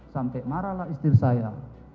sampai marahlah istirahat saya